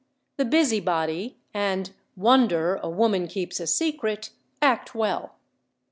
"The Busybody," and "Wonder; a Woman keeps a Secret," act well.